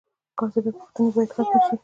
کاذبې پوهې باید ختمې شي.